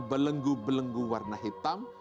belenggu belenggu warna hitam